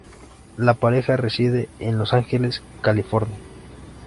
La pareja reside en Los Ángeles, California.